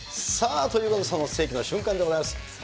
さあ、ということで、その世紀の瞬間でございます。